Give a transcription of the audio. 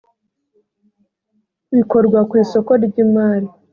bikorwa ku isoko ry imari